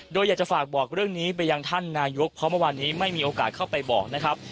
โดยอยากจะฝากบอกเรื่องนี้ไปยังท่านนายกเพราะเมื่อวานนี้ไม่มีโอกาสเข้าไปบอกนะครับ